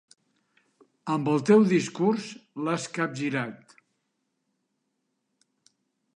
Amb el teu discurs l'has capgirat.